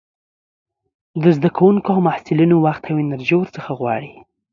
د زده کوونکو او محصلينو وخت او انرژي ورڅخه غواړي.